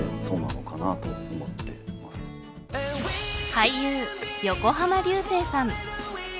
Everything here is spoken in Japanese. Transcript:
俳優、横浜流星さん。